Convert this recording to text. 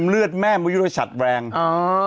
เลือดแม่มันอยู่ในชัดแรงอ่า